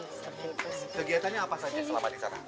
kegiatannya apa saja selama di sana